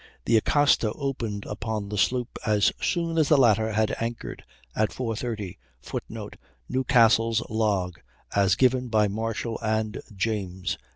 The Acasta opened upon the sloop as soon as the latter had anchored, at 4.30. [Footnote: Newcastle's log, as given by Marshall and James.